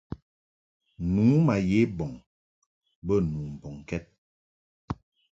Nu ma ye bɔŋ bə nu mbɔŋkɛd.